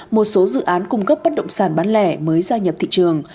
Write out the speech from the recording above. một số dự án cung cấp bất động sản bán lẻ mới gia nhập thị trường